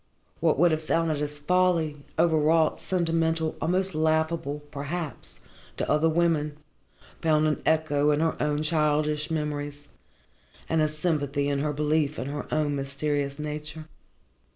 What would have sounded as folly, overwrought, sentimental, almost laughable, perhaps, to other women, found an echo in her own childish memories and a sympathy in her belief in her own mysterious nature.